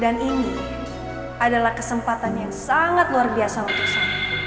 dan ini adalah kesempatan yang sangat luar biasa untuk saya